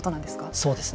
そうですね。